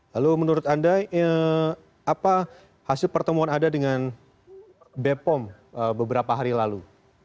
lalu menurut anda apa hasil pertemuan anda dengan bepom beberapa hari lalu